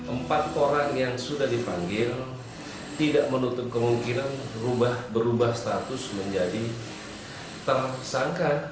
empat orang yang sudah dipanggil tidak menutup kemungkinan berubah status menjadi tersangka